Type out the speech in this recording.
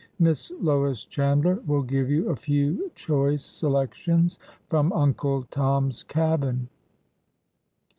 Miss Lois Chandler will give you a few choice selections from ' Uncle Tom's Cabin!'"